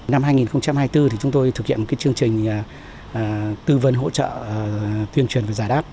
năm hai nghìn hai mươi bốn thì chúng tôi thực hiện một chương trình tư vấn hỗ trợ tuyên truyền và giải đáp